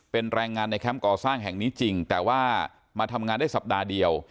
เป็นแรงงานในแคมป์ก่อสร้างแห่งนี้จริงแต่ว่ามาทำงานได้สัปดาห์เดียว